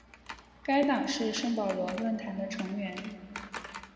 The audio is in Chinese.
该党是圣保罗论坛的成员。